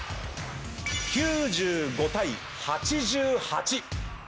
９５対８８。